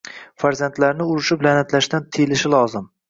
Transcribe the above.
Farzandlarni urishib la'natlashdan tiyilishi lozim.